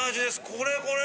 これこれ！